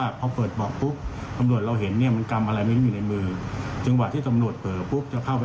ไอศัยปฏิบัติธังวิธีนะครับ